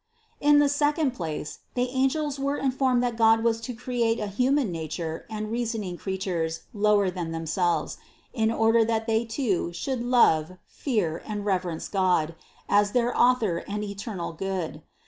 88. In the second place, the angels were informed that God was to create a human nature and reasoning crea tures lower than themselves, in order that they too should love, fear and reverence God, as their Author and eternal Good.